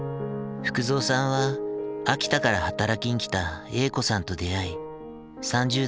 福蔵さんは秋田から働きに来た鋭子さんと出会い３０代で結婚。